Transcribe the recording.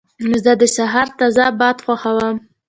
زه د سهار تازه باد خوښوم.